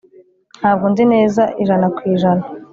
Ntabwo nzi neza ijana ku ijana